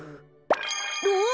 おっ！